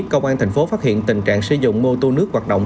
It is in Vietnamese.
công an tp hcm phát hiện tình trạng sử dụng mô tô nước hoạt động